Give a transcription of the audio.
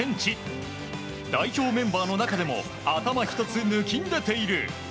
代表メンバーの中でも頭１つ抜きんでている。